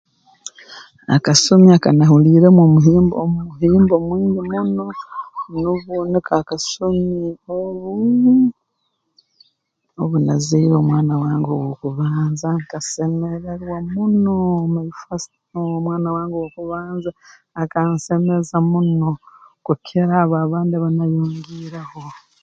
Akasumi aka nahuliiremu omuhimbo omuhimbo mwingi muno nubwo nuko akasumi obuu obu nazaire omwana wange ow'okubanza nkasemererwa muno my first born omwana wange ow'okubanza akansemeza muno kukira abo abandi aba nayongiireho